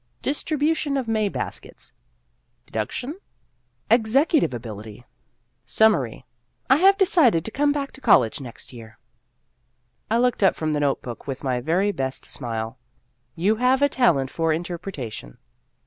Distribution of May baskets. I Executlve ) 266 Vassar Studies " Summary : I have decided to come back to college next year." I looked up from the note book with my very best smile. " You have a talent for interpretation."